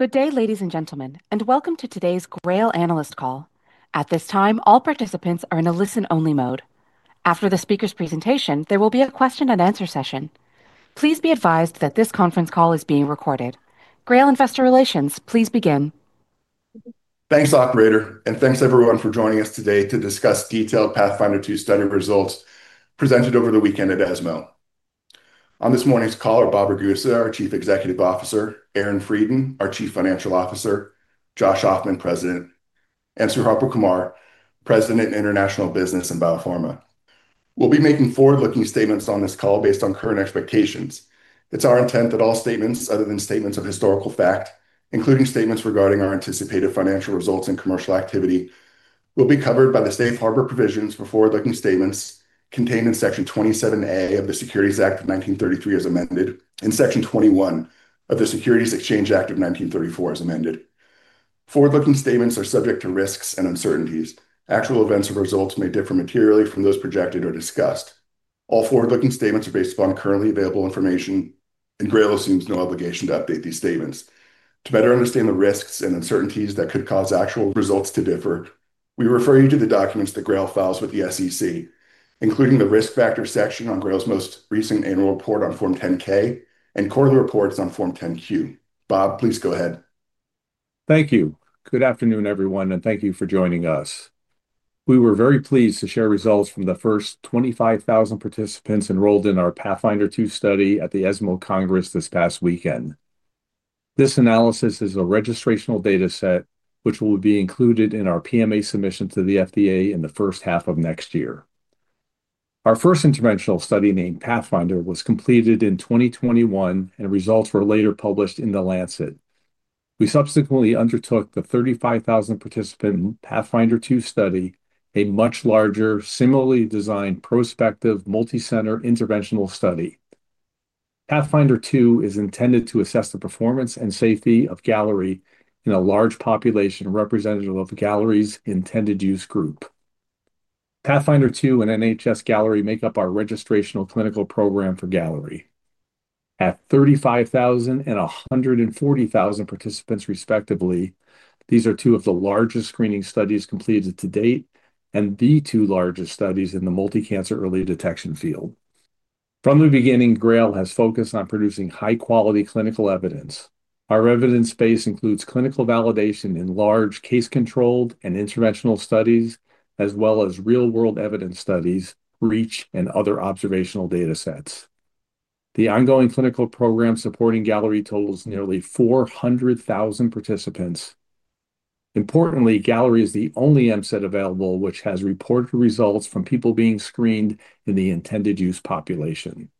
Good day, ladies and gentlemen, and welcome to today's GRAIL analyst call. At this time, all participants are in a listen-only mode. After the speaker's presentation, there will be a question-and-answer session. Please be advised that this conference call is being recorded. GRAIL Investor Relations, please begin. Thanks, Operator, and thanks everyone for joining us today to discuss detailed PATHFINDER 2 study results presented over the weekend at ESMO. On this morning's call are Bob Ragusa, our Chief Executive Officer, Aaron Freidin, our Chief Financial Officer, Joshua Ofman, President, and Sir Harpal Kumar, President, International Business and BioPharma. We'll be making forward-looking statements on this call based on current expectations. It's our intent that all statements, other than statements of historical fact, including statements regarding our anticipated financial results and commercial activity, will be covered by the safe harbor provisions for forward-looking statements contained in Section 27A of the Securities Act of 1933 as amended, and Section 21 of the Securities Exchange Act of 1934 as amended. Forward-looking statements are subject to risks and uncertainties. Actual events or results may differ materially from those projected or discussed. All forward-looking statements are based upon currently available information, and GRAIL assumes no obligation to update these statements. To better understand the risks and uncertainties that could cause actual results to differ, we refer you to the documents that GRAIL files with the SEC, including the risk factors section on GRAIL's most recent annual report on Form 10-K and quarterly reports on Form 10-Q. Bob, please go ahead. Thank you. Good afternoon, everyone, and thank you for joining us. We were very pleased to share results from the first 25,000 participants enrolled in our PATHFINDER 2 study at the ESMO Congress this past weekend. This analysis is a registrational dataset, which will be included in our PMA submission to the FDA in the first half of next year. Our first interventional study named PATHFINDER was completed in 2021, and results were later published in The Lancet. We subsequently undertook the 35,000 participant PATHFINDER 2 study, a much larger, similarly designed prospective multi-center interventional study. PATHFINDER 2 is intended to assess the performance and safety of Galleri in a large population representative of Galleri's intended use group. PATHFINDER 2 and NHS-Galleri trial make up our registrational clinical program for Galleri. At 35,000 and 140,000 participants respectively, these are two of the largest screening studies completed to date and the two largest studies in the multicancer early detection field. From the beginning, GRAIL has focused on producing high-quality clinical evidence. Our evidence base includes clinical validation in large case-controlled and interventional studies, as well as real-world evidence studies, REACH, and other observational datasets. The ongoing clinical program supporting Galleri totals nearly 400,000 participants. Importantly, Galleri is the only MCED available which has reported results from people being screened in the intended use population.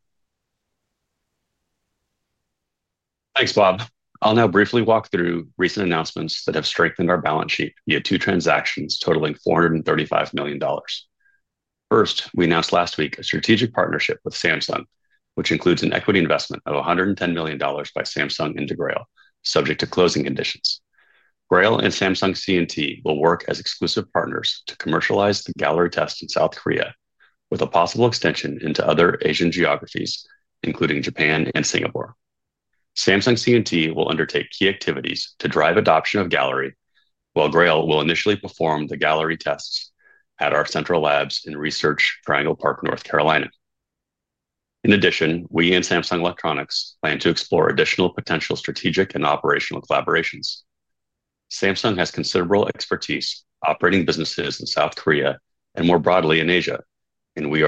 Thanks, Bob. I'll now briefly walk through recent announcements that have strengthened our balance sheet via two transactions totaling $435 million. First, we announced last week a strategic partnership with Samsung, which includes an equity investment of $110 million by Samsung into GRAIL, subject to closing conditions. GRAIL and Samsung C&T will work as exclusive partners to commercialize the Galleri test in South Korea, with a possible extension into other Asian geographies, including Japan and Singapore. Samsung C&T will undertake key activities to drive adoption of Galleri, while GRAIL will initially perform the Galleri tests at our central labs in Research Triangle Park, North Carolina. In addition, we and Samsung Electronics plan to explore additional potential strategic and operational collaborations. Samsung has considerable expertise operating businesses in South Korea and more broadly in Asia, and we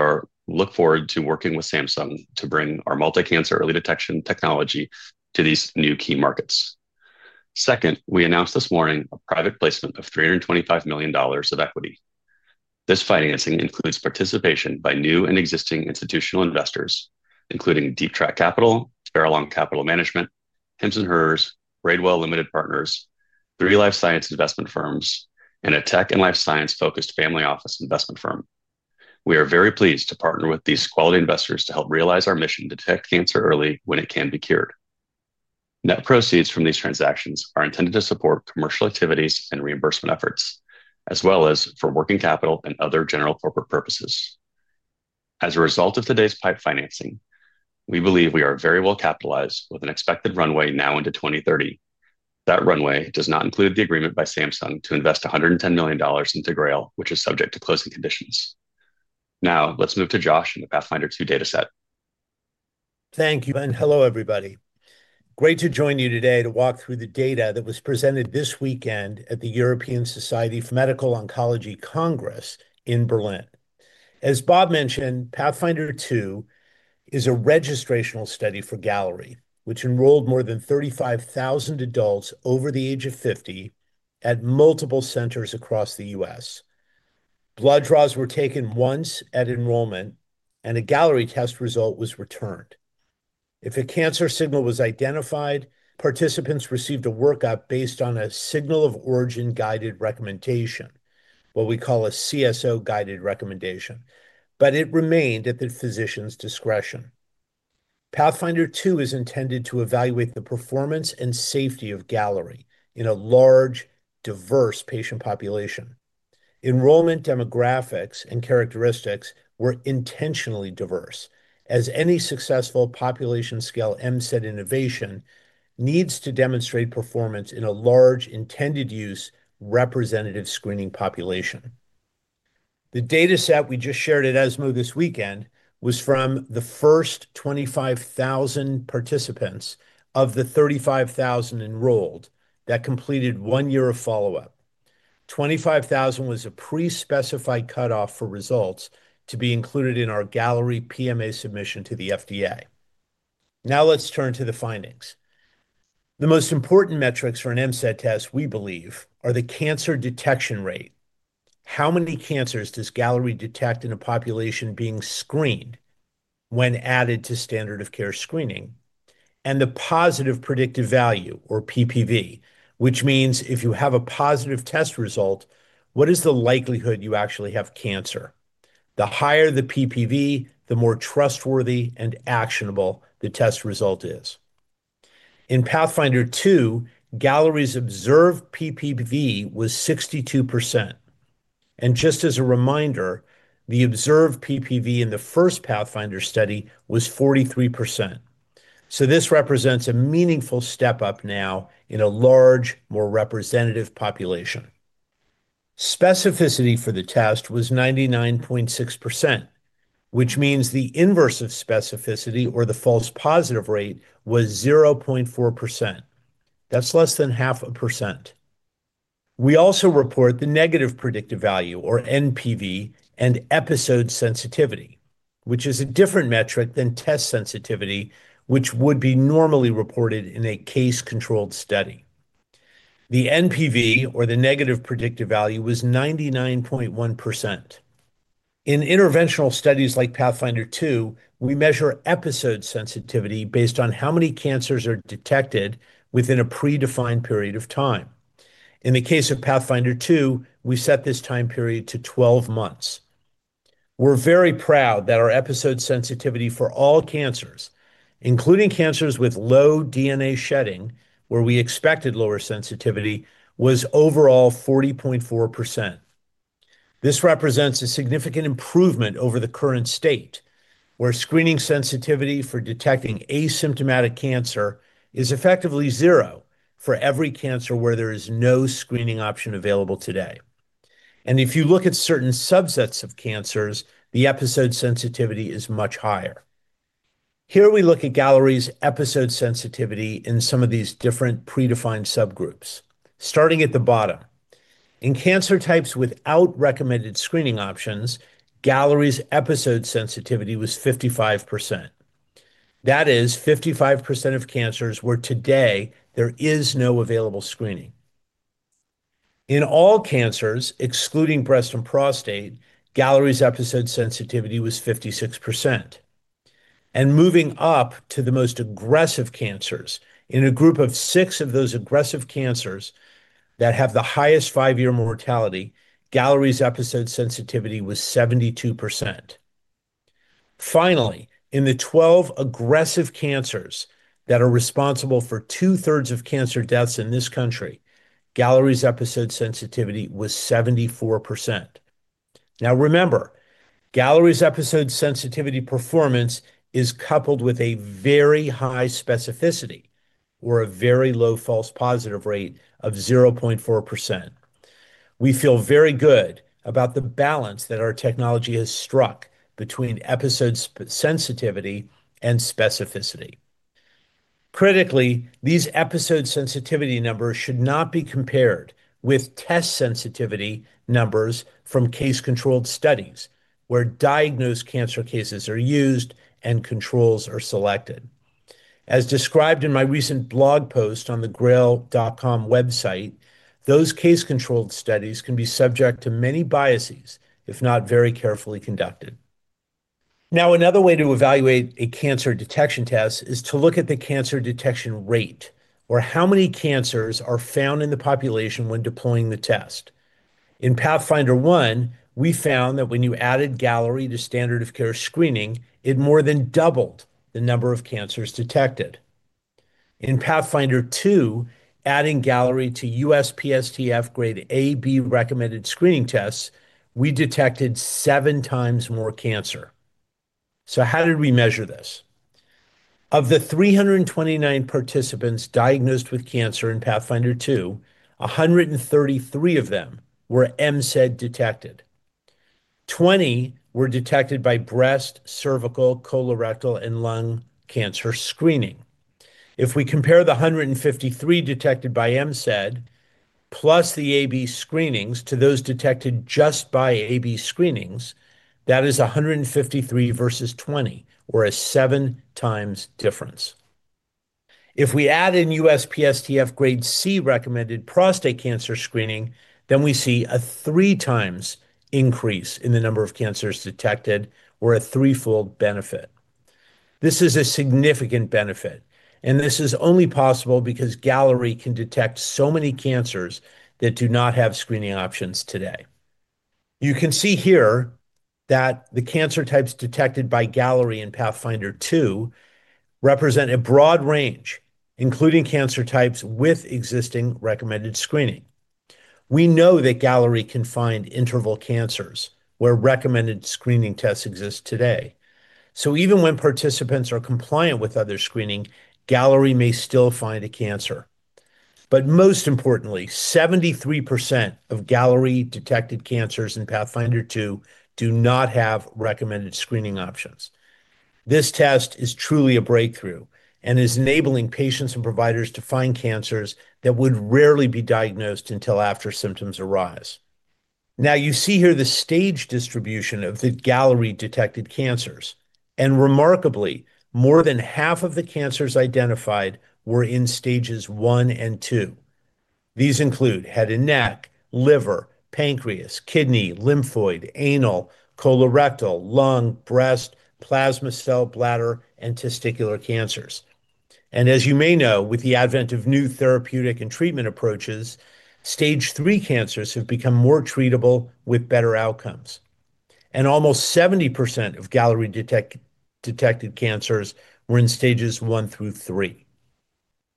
look forward to working with Samsung to bring our multicancer early detection technology to these new key markets. Second, we announced this morning a private placement of $325 million of equity. This financing includes participation by new and existing institutional investors, including Deep Track Capital, Farallon Capital Management, Hims & Hers, Braidwell Limited Partners, three life science investment firms, and a tech and life science-focused family office investment firm. We are very pleased to partner with these quality investors to help realize our mission to detect cancer early when it can be cured. Net proceeds from these transactions are intended to support commercial activities and reimbursement efforts, as well as for working capital and other general corporate purposes. As a result of today's PIPE financing, we believe we are very well capitalized, with an expected runway now into 2030. That runway does not include the agreement by Samsung to invest $110 million into GRAIL, which is subject to closing conditions. Now, let's move to Josh and the PATHFINDER 2 dataset. Thank you, and hello, everybody. Great to join you today to walk through the data that was presented this weekend at the European Society for Medical Oncology Congress in Berlin. As Bob mentioned, PATHFINDER 2 is a registrational study for Galleri, which enrolled more than 35,000 adults over the age of 50 at multiple centers across the U.S. Blood draws were taken once at enrollment, and a Galleri test result was returned. If a cancer signal was identified, participants received a workup based on a signal-of-origin guided recommendation, what we call a CSO guided recommendation, but it remained at the physician's discretion. PATHFINDER 2 is intended to evaluate the performance and safety of Galleri in a large, diverse patient population. Enrollment demographics and characteristics were intentionally diverse, as any successful population-scale MCED innovation needs to demonstrate performance in a large intended use representative screening population. The dataset we just shared at ESMO this weekend was from the first 25,000 participants of the 35,000 enrolled that completed one year of follow-up. 25,000 was a pre-specified cutoff for results to be included in our Galleri PMA submission to the FDA. Now, let's turn to the findings. The most important metrics for an MCED test, we believe, are the cancer detection rate. How many cancers does Galleri detect in a population being screened when added to standard-of-care screening? The positive predictive value, or PPV, which means if you have a positive test result, what is the likelihood you actually have cancer? The higher the PPV, the more trustworthy and actionable the test result is. In PATHFINDER 2, Galleri's observed PPV was 62%. Just as a reminder, the observed PPV in the first PATHFINDER study was 43%. This represents a meaningful step up now in a large, more representative population. Specificity for the test was 99.6%, which means the inverse of specificity, or the false positive rate, was 0.4%. That's less than 0.5%. We also report the negative predictive value, or NPV, and episode sensitivity, which is a different metric than test sensitivity, which would be normally reported in a case-controlled study. The NPV, or the negative predictive value, was 99.1%. In interventional studies like PATHFINDER 2, we measure episode sensitivity based on how many cancers are detected within a predefined period of time. In the case of PATHFINDER 2, we set this time period to 12 months. We're very proud that our episode sensitivity for all cancers, including cancers with low DNA shedding, where we expected lower sensitivity, was overall 40.4%. This represents a significant improvement over the current state, where screening sensitivity for detecting asymptomatic cancer is effectively zero for every cancer where there is no screening option available today. If you look at certain subsets of cancers, the episode sensitivity is much higher. Here we look at Galleri's episode sensitivity in some of these different predefined subgroups. Starting at the bottom, in cancer types without recommended screening options, Galleri's episode sensitivity was 55%. That is 55% of cancers where today there is no available screening. In all cancers, excluding breast and prostate, Galleri's episode sensitivity was 56%. Moving up to the most aggressive cancers, in a group of six of those aggressive cancers that have the highest five-year mortality, Galleri's episode sensitivity was 72%. Finally, in the 12 aggressive cancers that are responsible for 2/3 of cancer deaths in this country, Galleri's episode sensitivity was 74%. Now remember, Galleri's episode sensitivity performance is coupled with a very high specificity, or a very low false positive rate, of 0.4%. We feel very good about the balance that our technology has struck between episode sensitivity and specificity. Critically, these episode sensitivity numbers should not be compared with test sensitivity numbers from case-controlled studies, where diagnosed cancer cases are used and controls are selected. As described in my recent blog post on the grail.com website, those case-controlled studies can be subject to many biases if not very carefully conducted. Another way to evaluate a cancer detection test is to look at the cancer detection rate, or how many cancers are found in the population when deploying the test. In PATHFINDER 1, we found that when you added Galleri to standard-of-care screening, it more than doubled the number of cancers detected. In PATHFINDER 2, adding Galleri to USPSTF Grade A/B recommended screening tests, we detected 7x more cancer. How did we measure this? Of the 329 participants diagnosed with cancer in PATHFINDER 2, 133 of them were MCED detected. 20 were detected by breast, cervical, colorectal, and lung cancer screening. If we compare the 153 detected by MCED plus the A/B screenings to those detected just by A/B screenings, that is 153 versus 20, or a 7x difference. If we add in USPSTF Grade C recommended prostate cancer screening, then we see a 3x increase in the number of cancers detected, or a threefold benefit. This is a significant benefit, and this is only possible because Galleri can detect so many cancers that do not have screening options today. You can see here that the cancer types detected by Galleri in PATHFINDER 2 represent a broad range, including cancer types with existing recommended screening. We know that Galleri can find interval cancers where recommended screening tests exist today. Even when participants are compliant with other screening, Galleri may still find a cancer. Most importantly, 73% of Galleri-detected cancers in PATHFINDER 2 do not have recommended screening options. This test is truly a breakthrough and is enabling patients and providers to find cancers that would rarely be diagnosed until after symptoms arise. Now, you see here the stage distribution of the Galleri-detected cancers. Remarkably, more than half of the cancers identified were in stages one and two. These include head and neck, liver, pancreas, kidney, lymphoid, anal, colorectal, lung, breast, plasma cell, bladder, and testicular cancers. As you may know, with the advent of new therapeutic and treatment approaches, stage three cancers have become more treatable with better outcomes. Almost 70% of Galleri-detected cancers were in stages one through three.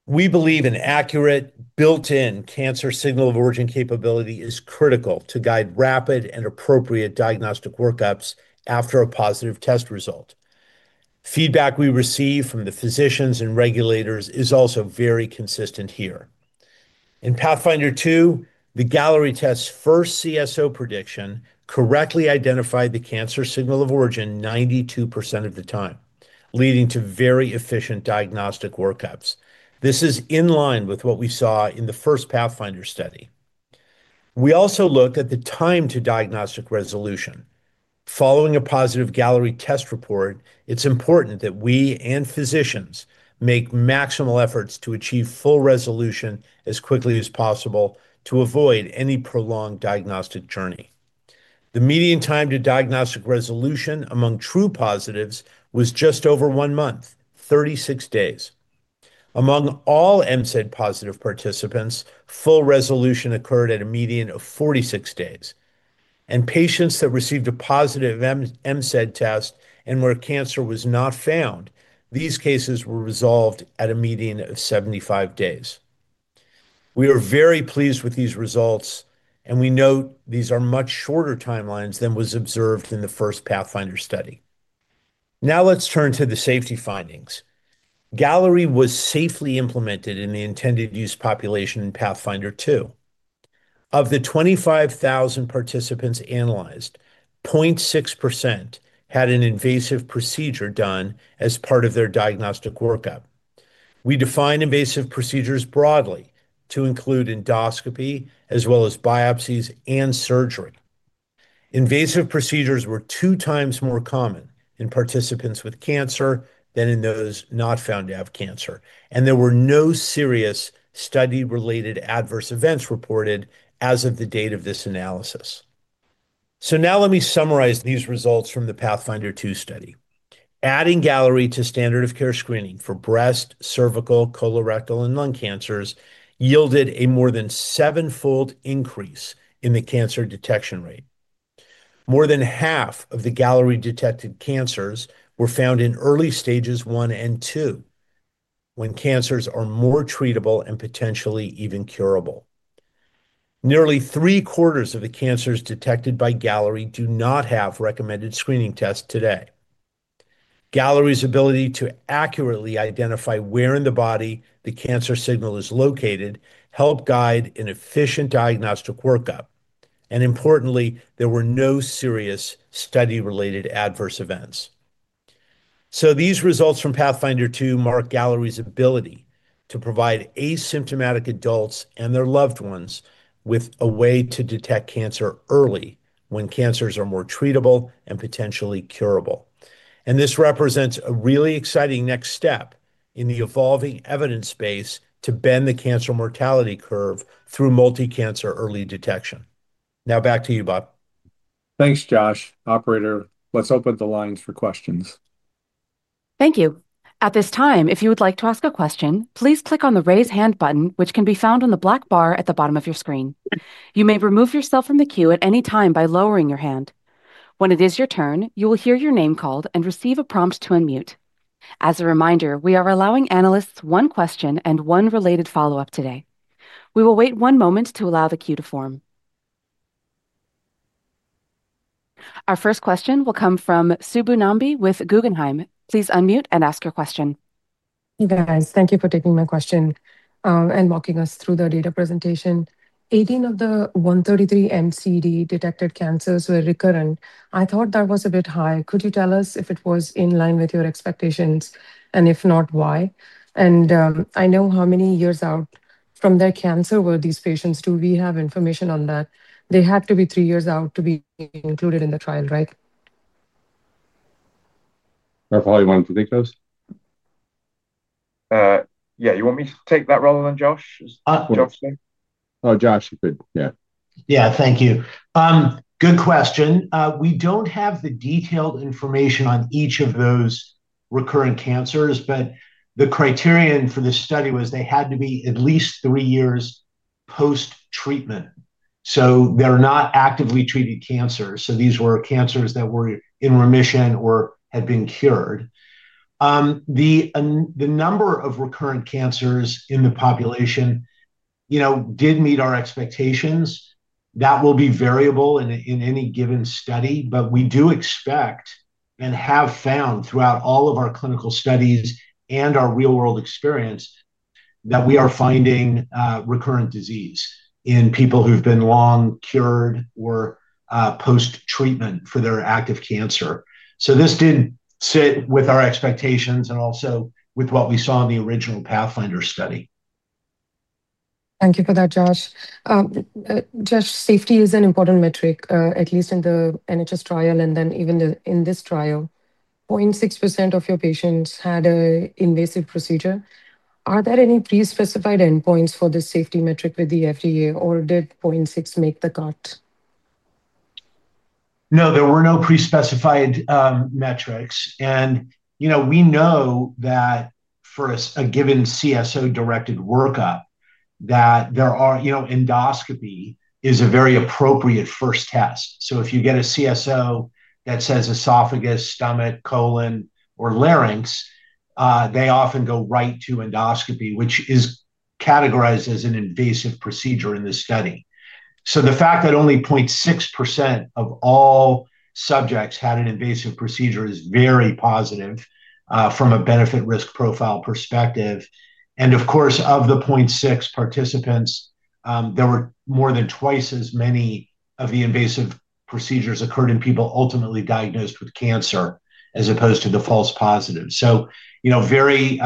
We believe an accurate, built-in cancer signal-of-origin capability is critical to guide rapid and appropriate diagnostic workups after a positive test result. Feedback we receive from the physicians and regulators is also very consistent here. In PATHFINDER 2, the Galleri test's first CSO prediction correctly identified the cancer signal of origin 92% of the time, leading to very efficient diagnostic workups. This is in line with what we saw in the first PATHFINDER study. We also look at the time to diagnostic resolution. Following a positive Galleri test report, it's important that we and physicians make maximal efforts to achieve full resolution as quickly as possible to avoid any prolonged diagnostic journey. The median time to diagnostic resolution among true positives was just over one month, 36 days. Among all MCED-positive participants, full resolution occurred at a median of 46 days. Patients that received a positive MCED test and where cancer was not found had these cases resolved at a median of 75 days. We are very pleased with these results, and we note these are much shorter timelines than was observed in the first PATHFINDER study. Now, let's turn to the safety findings. Galleri was safely implemented in the intended use population in PATHFINDER 2. Of the 25,000 participants analyzed, 0.6% had an invasive procedure done as part of their diagnostic workup. We define invasive procedures broadly to include endoscopy, as well as biopsies and surgery. Invasive procedures were 2x more common in participants with cancer than in those not found to have cancer. There were no serious study-related adverse events reported as of the date of this analysis. Let me summarize these results from the PATHFINDER 2 study. Adding Galleri to standard-of-care screening for breast, cervical, colorectal, and lung cancers yielded a more than seven-fold increase in the cancer detection rate. More than half of the Galleri-detected cancers were found in early stages one and two, when cancers are more treatable and potentially even curable. Nearly three quarters of the cancers detected by Galleri do not have recommended screening tests today. Galleri's ability to accurately identify where in the body the cancer signal is located helped guide an efficient diagnostic workup. Importantly, there were no serious study-related adverse events. These results from PATHFINDER 2 mark Galleri's ability to provide asymptomatic adults and their loved ones with a way to detect cancer early when cancers are more treatable and potentially curable. This represents a really exciting next step in the evolving evidence base to bend the cancer mortality curve through multicancer early detection. Now back to you, Bob. Thanks, Josh. Operator, let's open the lines for questions. Thank you. At this time, if you would like to ask a question, please click on the Raise Hand button, which can be found on the black bar at the bottom of your screen. You may remove yourself from the queue at any time by lowering your hand. When it is your turn, you will hear your name called and receive a prompt to unmute. As a reminder, we are allowing analysts one question and one related follow-up today. We will wait one moment to allow the queue to form. Our first question will come from Subbu Nambi with Guggenheim. Please unmute and ask your question. Hey, guys. Thank you for taking my question and walking us through the data presentation. 18 of the 133 MCED detected cancers were recurrent. I thought that was a bit high. Could you tell us if it was in line with your expectations? If not, why? I know how many years out from their cancer were these patients. Do we have information on that? They had to be three years out to be included in the trial, right? That's probably one of the things. Yeah, you want me to take that role, Josh? Josh, you could, yeah. Thank you. Good question. We don't have the detailed information on each of those recurrent cancers, but the criterion for this study was they had to be at least three years post-treatment. They're not actively treated cancers. These were cancers that were in remission or had been cured. The number of recurrent cancers in the population did meet our expectations. That will be variable in any given study, but we do expect and have found throughout all of our clinical studies and our real-world experience that we are finding recurrent disease in people who've been long cured or post-treatment for their active cancer. This did sit with our expectations and also with what we saw in the original PATHFINDER study. Thank you for that, Josh. Josh, safety is an important metric, at least in the NHS-Galleri trial and then even in this trial. 0.6% of your patients had an invasive procedure. Are there any pre-specified endpoints for this safety metric with the FDA, or did 0.6% make the cut? No, there were no pre-specified metrics. We know that for a given CSO-directed workup, endoscopy is a very appropriate first test. If you get a CSO that says esophagus, stomach, colon, or larynx, they often go right to endoscopy, which is categorized as an invasive procedure in the study. The fact that only 0.6% of all subjects had an invasive procedure is very positive from a benefit-risk profile perspective. Of the 0.6%, there were more than twice as many of the invasive procedures that occurred in people ultimately diagnosed with cancer, as opposed to the false positives. That is a very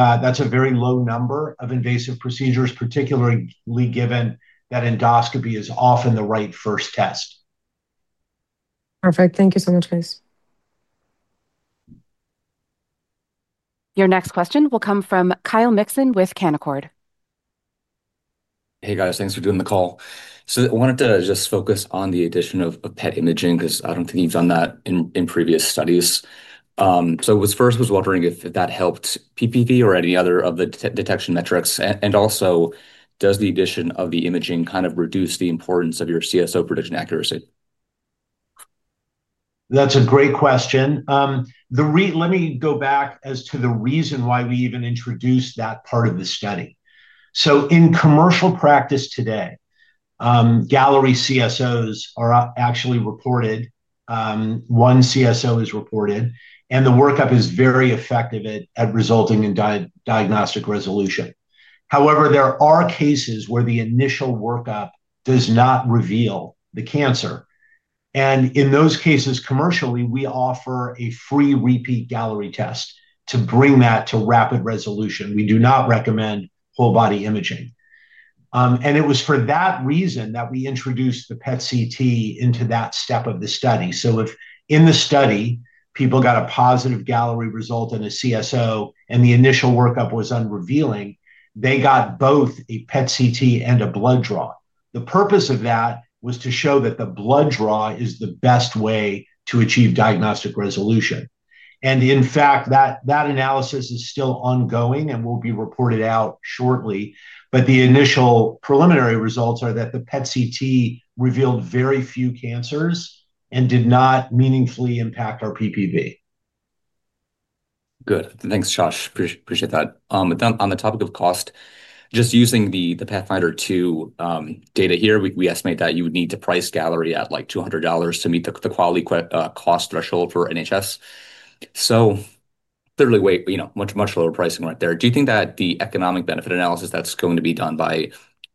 low number of invasive procedures, particularly given that endoscopy is often the right first test. Perfect. Thank you so much, guys. Your next question will come from Kyle Mikson with Canaccord. Hey, guys. Thanks for doing the call. I wanted to just focus on the addition of PET imaging because I don't think you've done that in previous studies. First, I was wondering if that helped PPV or any other of the detection metrics. Also, does the addition of the imaging kind of reduce the importance of your CSO prediction accuracy? That's a great question. Let me go back as to the reason why we even introduced that part of the study. In commercial practice today, Galleri CSOs are actually reported. One CSO is reported, and the workup is very effective at resulting in diagnostic resolution. However, there are cases where the initial workup does not reveal the cancer. In those cases, commercially, we offer a free repeat Galleri test to bring that to rapid resolution. We do not recommend whole-body imaging. It was for that reason that we introduced the PET-CT into that step of the study. If in the study, people got a positive Galleri result in a CSO and the initial workup was unrevealing, they got both a PET-CT and a blood draw. The purpose of that was to show that the blood draw is the best way to achieve diagnostic resolution. In fact, that analysis is still ongoing and will be reported out shortly. The initial preliminary results are that the PET-CT revealed very few cancers and did not meaningfully impact our PPV. Good. Thanks, Josh. Appreciate that. On the topic of cost, just using the PATHFINDER 2 data here, we estimate that you would need to price Galleri at around $200 to meet the QALY cost threshold for NHS. Clearly, much, much lower pricing right there. Do you think that the economic benefit analysis that's going to be done by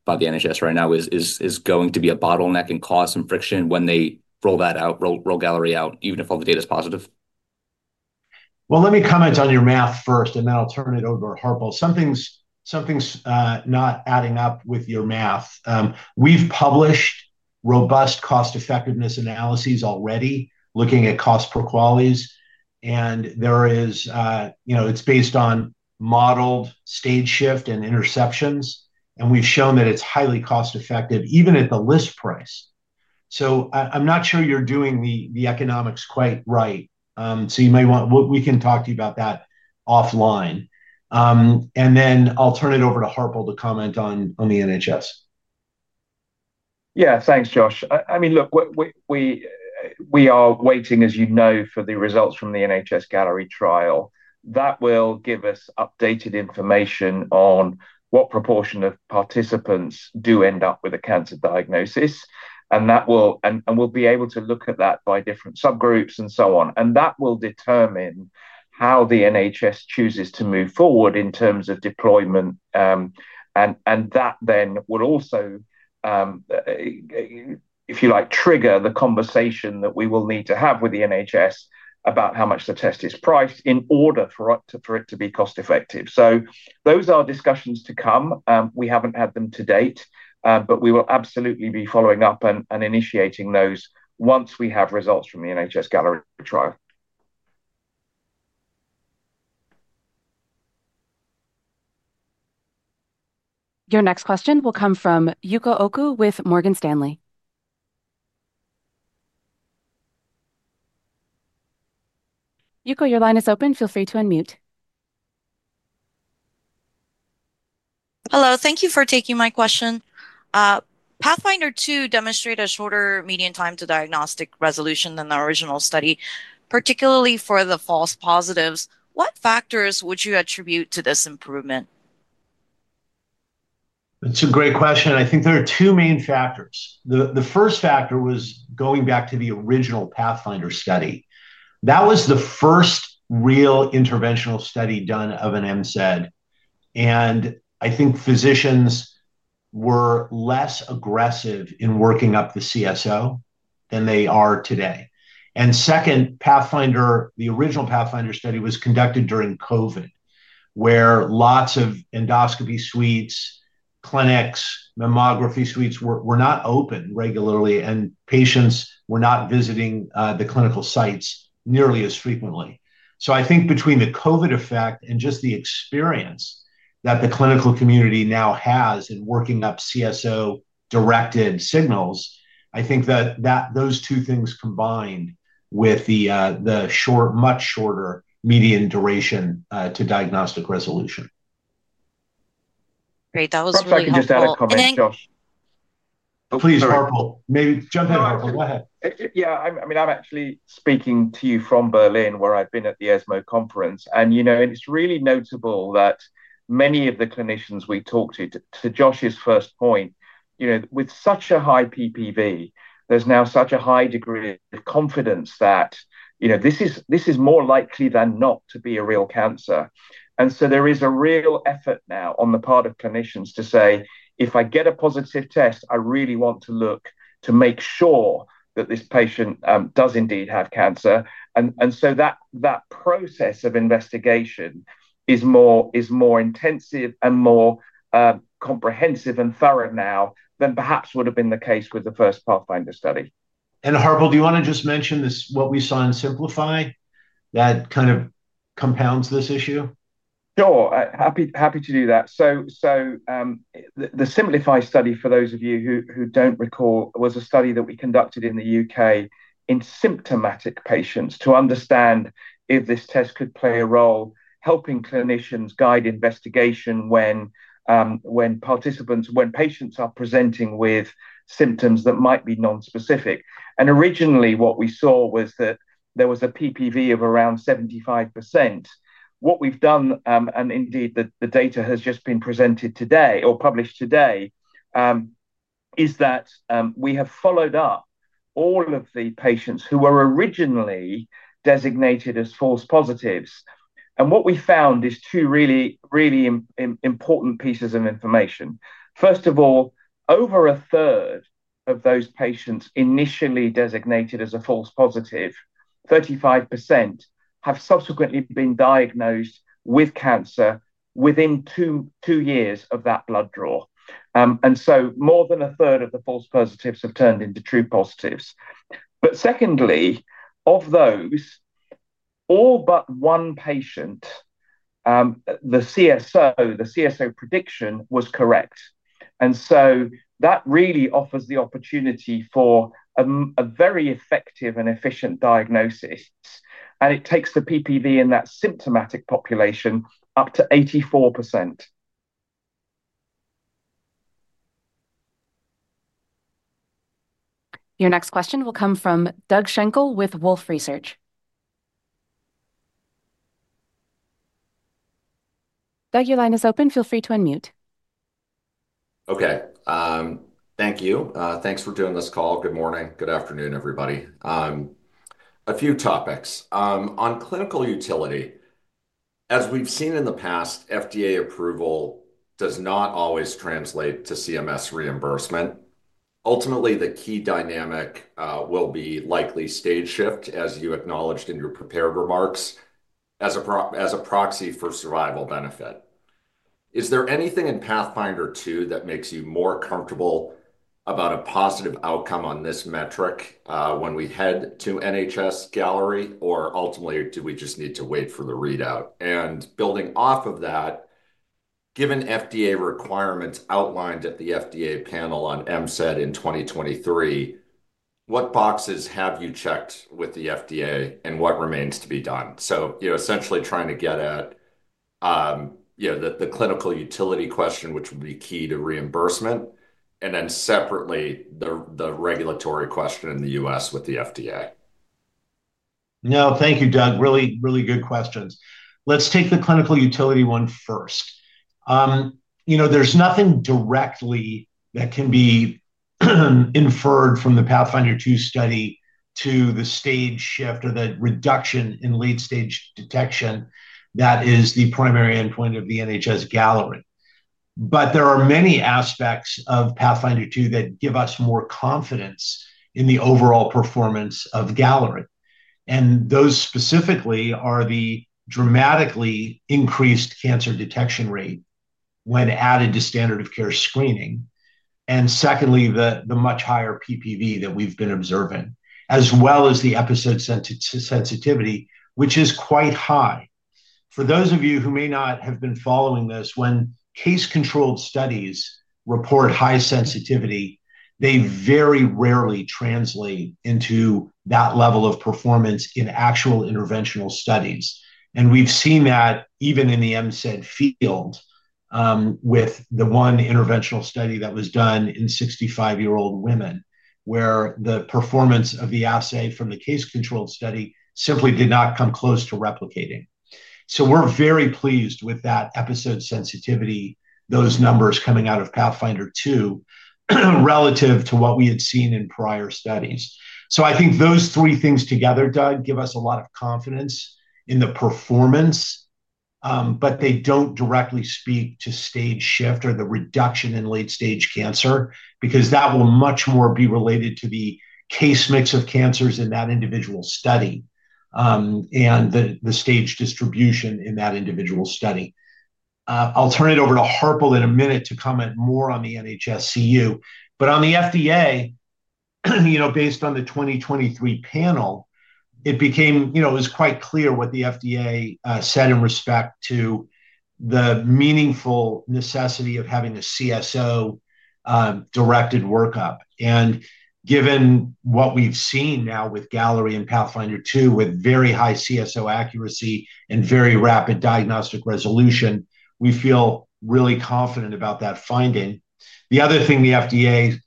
the NHS right now is going to be a bottleneck and cause some friction when they roll that out, roll Galleri out, even if all the data is positive? Let me comment on your math first, and then I'll turn it over to Harpal. Some things are not adding up with your math. We've published robust cost-effectiveness analyses already, looking at cost per QALYs, and there is, you know, it's based on modeled stage shift and interceptions. We've shown that it's highly cost-effective, even at the list price. I'm not sure you're doing the economics quite right. You may want, we can talk to you about that offline. I'll turn it over to Harpal to comment on the NHS. Yeah, thanks, Josh. I mean, look, we are waiting, as you know, for the results from the NHS-Galleri trial. That will give us updated information on what proportion of participants do end up with a cancer diagnosis. We will be able to look at that by different subgroups and so on. That will determine how the NHS chooses to move forward in terms of deployment. That then will also, if you like, trigger the conversation that we will need to have with the NHS about how much the test is priced in order for it to be cost-effective. Those are discussions to come. We haven't had them to date, but we will absolutely be following up and initiating those once we have results from the NHS-Galleri trial. Your next question will come from Yuko Oku with Morgan Stanley. Yuko, your line is open. Feel free to unmute. Hello. Thank you for taking my question. PATHFINDER 2 demonstrated a shorter median time to diagnostic resolution than the original study, particularly for the false positives. What factors would you attribute to this improvement? That's a great question. I think there are two main factors. The first factor was going back to the original PATHFINDER study. That was the first real interventional study done of an MCED. I think physicians were less aggressive in working up the CSO than they are today. The original PATHFINDER study was conducted during COVID, where lots of endoscopy suites, clinics, mammography suites were not open regularly, and patients were not visiting the clinical sites nearly as frequently. I think between the COVID effect and just the experience that the clinical community now has in working up CSO-directed signals, those two things combined with the much shorter median duration to diagnostic resolution. Great, that was really helpful. If I could just add a comment, Josh. Please, Harpal. Maybe jump in, Harpal. Go ahead. Yeah, I mean, I'm actually speaking to you from Berlin, where I've been at the ESMO Conference. It's really notable that many of the clinicians we talked to, to Josh's first point, with such a high PPV, there's now such a high degree of confidence that this is more likely than not to be a real cancer. There is a real effort now on the part of clinicians to say, if I get a positive test, I really want to look to make sure that this patient does indeed have cancer. That process of investigation is more intensive and more comprehensive and thorough now than perhaps would have been the case with the first PATHFINDER study. Harpal, do you want to just mention what we saw in SYMPLIFY that kind of compounds this issue? Sure. Happy to do that. The SYMPLIFY study, for those of you who don't recall, was a study that we conducted in the U.K. in symptomatic patients to understand if this test could play a role helping clinicians guide investigation when patients are presenting with symptoms that might be nonspecific. Originally, what we saw was that there was a PPV of around 75%. What we've done, and indeed the data has just been presented today or published today, is that we have followed up all of the patients who were originally designated as false positives. We found two really, really important pieces of information. First of all, over 1/3 of those patients initially designated as a false positive, 35%, have subsequently been diagnosed with cancer within two years of that blood draw. More than 1/3 of the false positives have turned into true positives. Secondly, of those, all but one patient, the CSO prediction was correct. That really offers the opportunity for a very effective and efficient diagnosis. It takes the PPV in that symptomatic population up to 84%. Your next question will come from Doug Schenkel with Wolfe Research. Doug, your line is open. Feel free to unmute. Okay. Thank you. Thanks for doing this call. Good morning. Good afternoon, everybody. A few topics. On clinical utility, as we've seen in the past, FDA approval does not always translate to CMS reimbursement. Ultimately, the key dynamic will be likely stage shift, as you acknowledged in your prepared remarks, as a proxy for survival benefit. Is there anything in PATHFINDER 2 that makes you more comfortable about a positive outcome on this metric when we head to NHS-Galleri, or ultimately, do we just need to wait for the readout? Building off of that, given FDA requirements outlined at the FDA panel on MCED in 2023, what boxes have you checked with the FDA and what remains to be done? Essentially trying to get at the clinical utility question, which would be key to reimbursement, and then separately the regulatory question in the U.S. with the FDA. No, thank you, Doug. Really, really good questions. Let's take the clinical utility one first. You know, there's nothing directly that can be inferred from the PATHFINDER 2 study to the stage shift or the reduction in late-stage detection that is the primary endpoint of the NHS-Galleri trial. There are many aspects of PATHFINDER 2 that give us more confidence in the overall performance of Galleri. Those specifically are the dramatically increased cancer detection rate when added to standard-of-care screening, and secondly, the much higher PPV that we've been observing, as well as the episode sensitivity, which is quite high. For those of you who may not have been following this, when case-controlled studies report high sensitivity, they very rarely translate into that level of performance in actual interventional studies. We've seen that even in the MCED field with the one interventional study that was done in 65-year-old women, where the performance of the assay from the case-controlled study simply did not come close to replicating. We're very pleased with that episode sensitivity, those numbers coming out of PATHFINDER 2 relative to what we had seen in prior studies. I think those three things together, Doug, give us a lot of confidence in the performance, but they don't directly speak to stage shift or the reduction in late-stage cancer because that will much more be related to the case mix of cancers in that individual study and the stage distribution in that individual study. I'll turn it over to Harpal in a minute to comment more on the NHS CU. On the FDA, based on the 2023 panel, it was quite clear what the FDA said in respect to the meaningful necessity of having a CSO-directed workup. Given what we've seen now with Galleri and PATHFINDER 2 with very high CSO accuracy and very rapid diagnostic resolution, we feel really confident about that finding. The other thing the FDA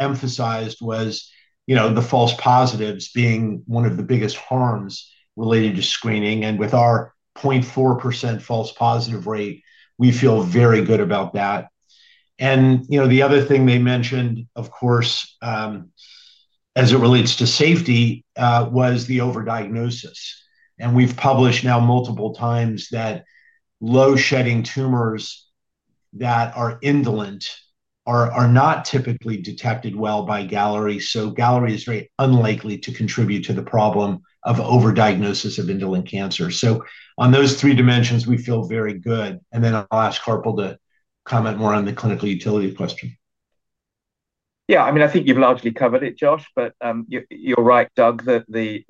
emphasized was the false positives being one of the biggest harms related to screening. With our 0.4% false positive rate, we feel very good about that. The other thing they mentioned, of course, as it relates to safety, was the overdiagnosis. We've published now multiple times that low-shedding tumors that are indolent are not typically detected well by Galleri. Galleri is very unlikely to contribute to the problem of overdiagnosis of indolent cancer. On those three dimensions, we feel very good. I'll ask Harpal to comment more on the clinical utility question. Yeah, I mean, I think you've largely covered it, Josh, but you're right, Doug, that the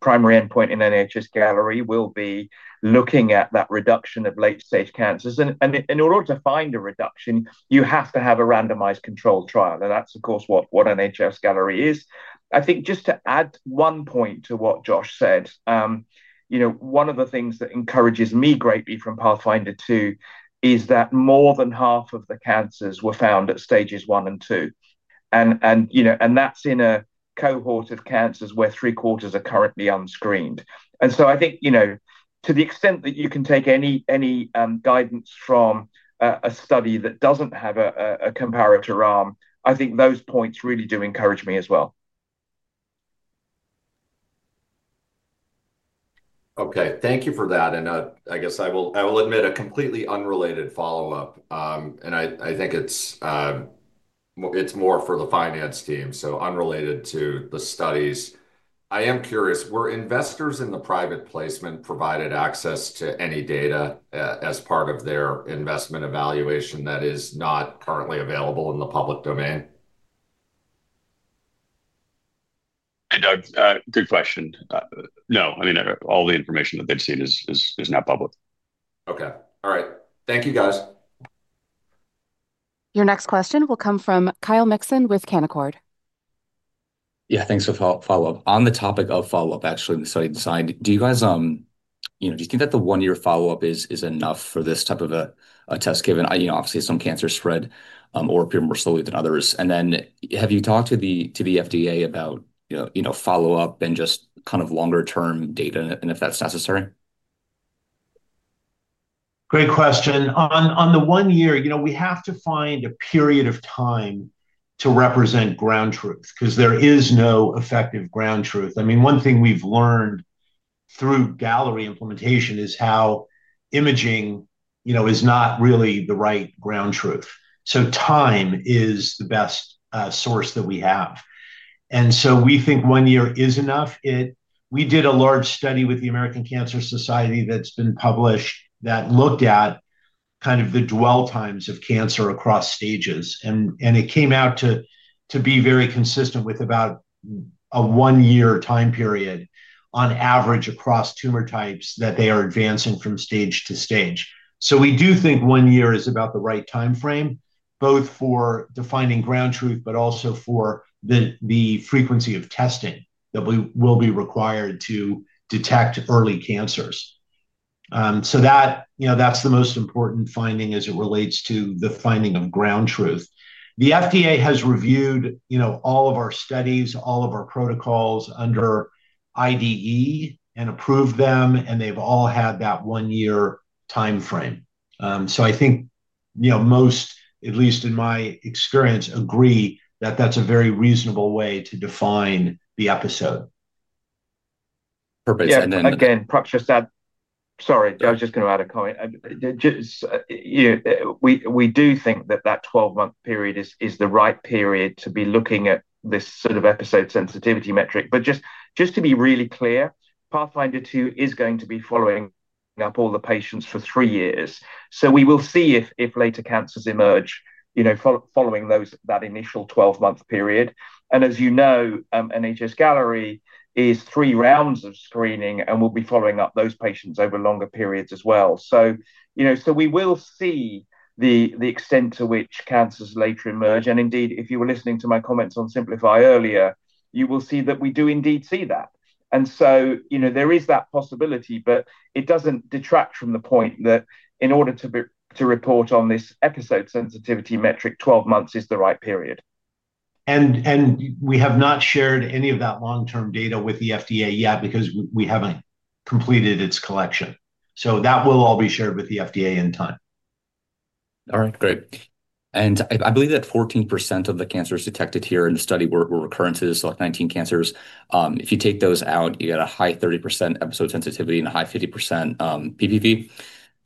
primary endpoint in NHS-Galleri will be looking at that reduction of late-stage cancers. In order to find a reduction, you have to have a randomized controlled trial. That's, of course, what NHS-Galleri is. I think just to add one point to what Josh said, one of the things that encourages me greatly from PATHFINDER 2 is that more than half of the cancers were found at stages one and two, and that's in a cohort of cancers where three-quarters are currently unscreened. I think, to the extent that you can take any guidance from a study that doesn't have a comparator arm, those points really do encourage me as well. Okay, thank you for that. I guess I will admit a completely unrelated follow-up. I think it's more for the finance team, so unrelated to the studies. I am curious, were investors in the private placement provided access to any data as part of their investment evaluation that is not currently available in the public domain? Hey, Doug, good question. No, I mean, all the information that they've seen is now public. Okay. All right. Thank you, guys. Your next question will come from Kyle Mikson with Canaccord. Yeah, thanks for the follow-up. On the topic of follow-up, in the study design, do you guys think that the one-year follow-up is enough for this type of a test given, you know, obviously some cancers spread or appear more slowly than others? Have you talked to the FDA about follow-up and just kind of longer-term data and if that's necessary? Great question. On the one year, you know, we have to find a period of time to represent ground truth because there is no effective ground truth. I mean, one thing we've learned through Galleri implementation is how imaging, you know, is not really the right ground truth. Time is the best source that we have. We think one year is enough. We did a large study with the American Cancer Society that's been published that looked at kind of the dwell times of cancer across stages. It came out to be very consistent with about a one-year time period on average across tumor types that they are advancing from stage to stage. We do think one year is about the right timeframe, both for defining ground truth, but also for the frequency of testing that we will be required to detect early cancers. That's the most important finding as it relates to the finding of ground truth. The FDA has reviewed, you know, all of our studies, all of our protocols under IDE and approved them, and they've all had that one-year timeframe. I think, you know, most, at least in my experience, agree that that's a very reasonable way to define the episode. Perfect. Sorry, I was just going to add a comment. We do think that that 12-month period is the right period to be looking at this sort of episode sensitivity metric. Just to be really clear, PATHFINDER 2 is going to be following up all the patients for three years. We will see if later cancers emerge, you know, following that initial 12-month period. As you know, NHS-Galleri is three rounds of screening and will be following up those patients over longer periods as well. We will see the extent to which cancers later emerge. Indeed, if you were listening to my comments on SYMPLIFY earlier, you will see that we do indeed see that. There is that possibility, but it doesn't detract from the point that in order to report on this episode sensitivity metric, 12 months is the right period. We have not shared any of that long-term data with the FDA yet because we haven't completed its collection. That will all be shared with the FDA in time. All right, great. I believe that 14% of the cancers detected here in the study were recurrences, so like 19 cancers. If you take those out, you get a high 30% episode sensitivity and a high 50% PPV.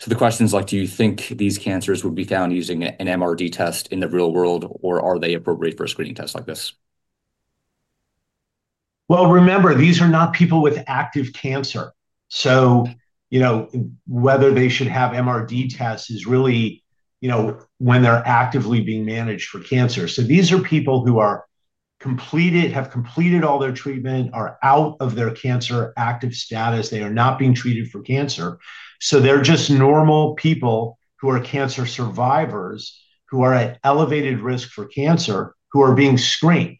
The question is, do you think these cancers would be found using an MRD test in the real world, or are they appropriate for a screening test like this? Remember, these are not people with active cancer. Whether they should have MRD tests is really when they're actively being managed for cancer. These are people who have completed all their treatment, are out of their cancer active status. They are not being treated for cancer. They're just normal people who are cancer survivors who are at elevated risk for cancer who are being screened.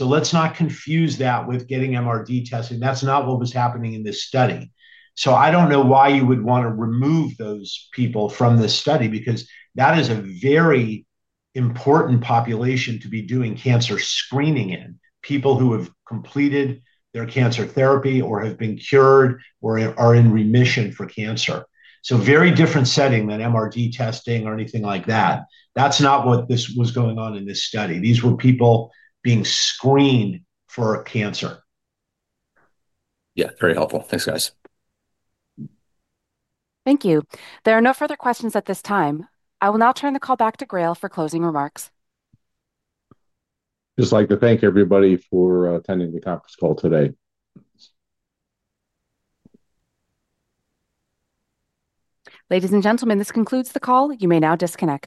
Let's not confuse that with getting MRD testing. That's not what was happening in this study. I don't know why you would want to remove those people from this study because that is a very important population to be doing cancer screening in, people who have completed their cancer therapy or have been cured or are in remission for cancer. Very different setting than MRD testing or anything like that. That's not what was going on in this study. These were people being screened for cancer. Yeah, very helpful. Thanks, guys. Thank you. There are no further questions at this time. I will now turn the call back to GRAIL for closing remarks. Just like to thank everybody for attending the conference call today. Ladies and gentlemen, this concludes the call. You may now disconnect.